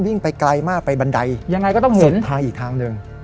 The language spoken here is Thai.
วิ่งไปไกลมากไปบันไดยังไงก็ต้องเห็นทางอีกทางหนึ่ง